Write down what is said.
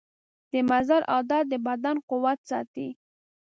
د مزل عادت د بدن قوت ساتي.